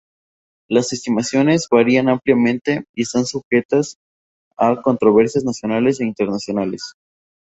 Las estimaciones varían ampliamente y están sujetas a controversias nacionales e internacionales.